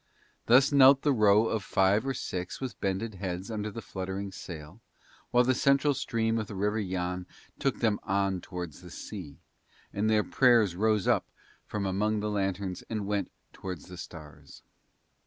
Thus knelt the row of five or six with bended heads under the fluttering sail, while the central stream of the River Yann took them on towards the sea, and their prayers rose up from among the lanterns and went towards the stars.